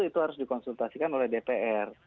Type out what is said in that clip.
itu harus dikonsultasikan oleh dpr